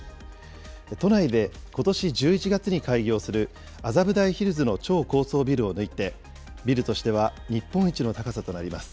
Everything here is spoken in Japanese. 都内でことし１１月に開業する麻布台ヒルズの超高層ビルを抜いて、ビルとしては日本一の高さとなります。